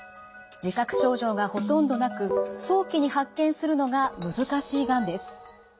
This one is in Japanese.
自覚症状がほとんどなく早期に発見するのが難しいがんです。